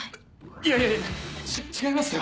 いやいやいやち違いますよ。